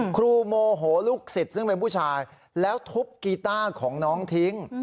โมโหลูกศิษย์ซึ่งเป็นผู้ชายแล้วทุบกีต้าของน้องทิ้ง